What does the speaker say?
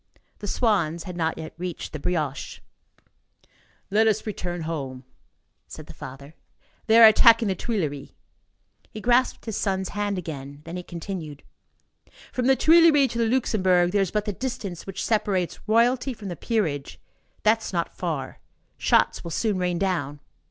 The swans had not yet reached the brioche. "Let us return home," said the father, "they are attacking the Tuileries." He grasped his son's hand again. Then he continued: "From the Tuileries to the Luxembourg, there is but the distance which separates Royalty from the peerage; that is not far. Shots will soon rain down."